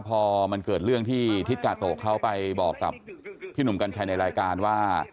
พอมันเกิดเรื่องที่ทิศกาโตะเขาไปบอกกับพี่หนุ่มกัญชัยในรายการว่า